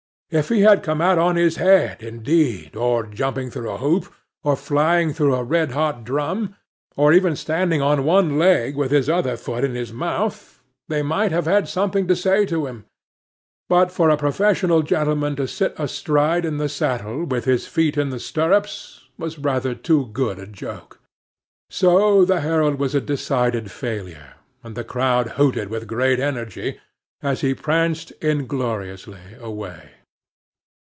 If he had come out on his head indeed, or jumping through a hoop, or flying through a red hot drum, or even standing on one leg with his other foot in his mouth, they might have had something to say to him; but for a professional gentleman to sit astride in the saddle, with his feet in the stirrups, was rather too good a joke. So, the herald was a decided failure, and the crowd hooted with great energy, as he pranced ingloriously away.